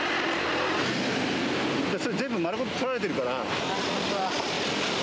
全部丸ごととられてるから。